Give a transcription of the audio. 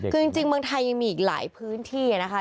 คือจริงเมืองไทยยังมีอีกหลายพื้นที่นะคะ